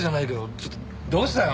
ちょっとどうしたの？